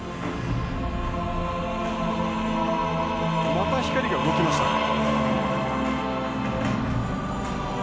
また光が動きましたね。